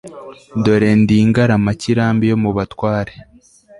dore ndi ingaramakirambi yo mu batware